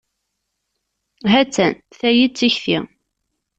Hattan, tayi d tikti.